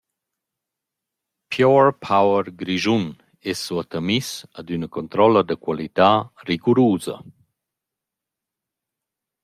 «PurePower Grischun» es suottamiss ad üna controlla da qualità rigurusa.